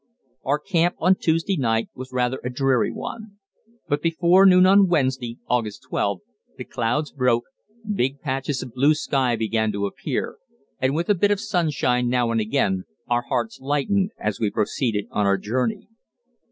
Our camp on Tuesday night was rather a dreary one; but before noon on Wednesday (August 12) the clouds broke, big patches of blue sky began to appear, and with a bit of sunshine now and again, our hearts lightened as we proceeded on our journey.